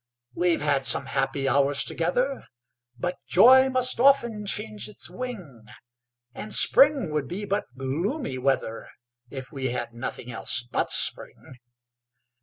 We've had some happy hours together, But joy must often change its wing; And spring would be but gloomy weather, If we had nothing else but spring.